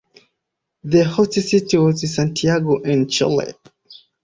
The host city was Santiago in Chile.